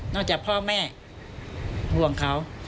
จากพ่อแม่ห่วงเขา